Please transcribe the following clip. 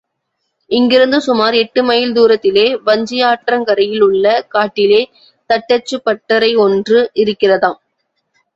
இங்கிருந்து சுமார் எட்டு மைல் தூரத்திலே வஞ்சியாற்றங் கரையில் உள்ள காட்டிலே தச்சுச்சுப்பட்டறையொன்று இருக்கிறதாம்.